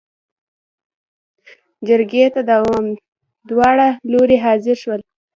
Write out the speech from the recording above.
جرګې ته داوړه لورې حاضر شول.